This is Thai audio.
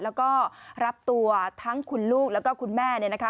แล้วก็รับตัวทั้งคุณลูกแล้วก็คุณแม่เนี่ยนะคะ